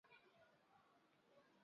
内政及王国关系部辅佐政务。